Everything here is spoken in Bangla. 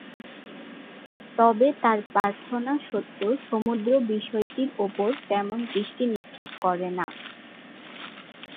তবে তার প্রার্থনা সত্ত্বেও সমুদ্র বিষয়টির ওপর তেমন দৃষ্টি নিক্ষেপ করে না।